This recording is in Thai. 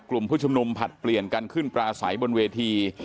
กลุ่มผู้ชุมนุมผลัดเปลี่ยนกันขึ้นปลาใสบนเวที